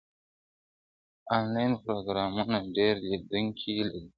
انلاین پروګرامونه ډېر لیدونکي لري